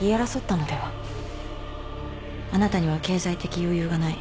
あなたには経済的余裕がない。